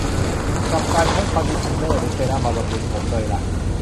กับการใช้คอนดิชั่นเนอร์หรือเซรั่มมาบำรุงผมเลยล่ะ